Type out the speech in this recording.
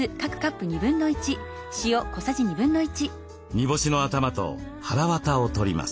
煮干しの頭とはらわたを取ります。